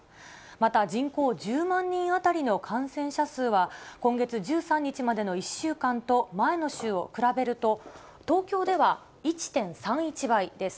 また人口１０万人当たりの感染者数は、今月１３日までの１週間と前の週を比べると、東京では１．３１倍です。